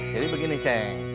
jadi begini ceng